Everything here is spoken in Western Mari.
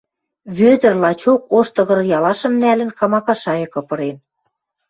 Вӧдӹр лачок ош тыгыр-ялашым нӓлӹн, камака шайыкы пырен.